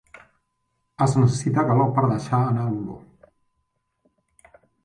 Es necessita calor per deixar anar l'olor.